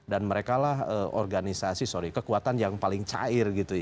dan mereka lah organisasi kekuatan yang paling cair gitu ya